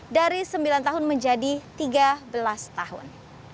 dari sembilan tahun menjadi tiga belas tahun